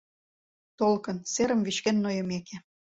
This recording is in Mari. Толкын, серым вӱчкен нойымеке